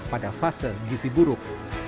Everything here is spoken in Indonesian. pada fase gisi buruk